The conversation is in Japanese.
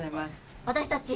私たち